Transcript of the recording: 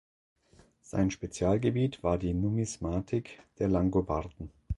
Sein Spezialgebiet war die Numismatik der Langobarden.